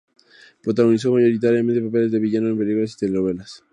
Protagonizó mayoritariamente papeles de villano en películas y telenovelas.